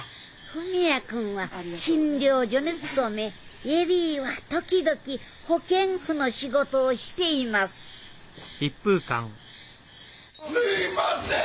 文也君は診療所に勤め恵里は時々保健婦の仕事をしていますすいません！